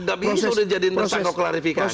nggak bisa sudah jadi tersangka klarifikasi